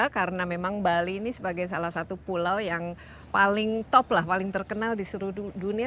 karena memang bali ini sebagai salah satu pulau yang paling top lah paling terkenal di seluruh dunia